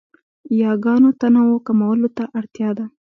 یاګانو تنوع کمولو ته اړتیا ده.